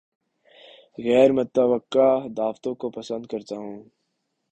غیر متوقع دعوتوں کو پسند کرتا ہوں